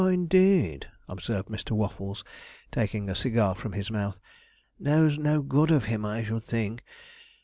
'Ah, indeed,' observed Mr. Waffles, taking a cigar from his mouth; 'knows no good of him, I should think.